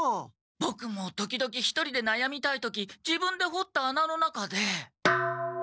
ボクも時々１人でなやみたい時自分でほった穴の中で。